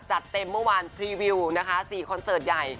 จัดเต็มเมื่อวานพรีวิวนะคะ๔คอนเสิร์ตใหญ่